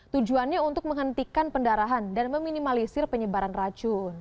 tujuannya untuk menghentikan pendarahan dan meminimalisir penyebaran racun